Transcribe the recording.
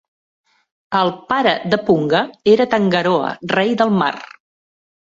El pare de Punga era Tangaroa, rei del mar.